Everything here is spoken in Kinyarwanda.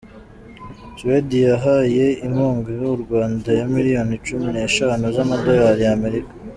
Suwede yahaye inkunga urwanda ya miliyoni cumi neshanu z’amadorali y’Amerika